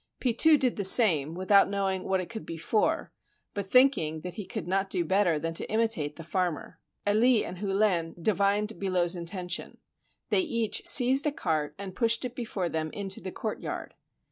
Pitou did the same, without knowing what it could be for, but thinking that he could not do better than to imitate the farmer. Elie and Hullin di vined Billot's intention. They each seized a cart and pushed it before them into the courtyard.